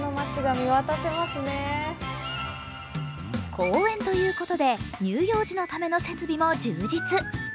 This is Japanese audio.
公園ということで、乳幼児のための設備も充実。